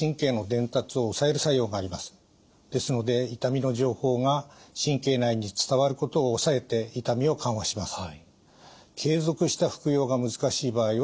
ですので痛みの情報が神経内に伝わることを抑えて痛みを緩和します。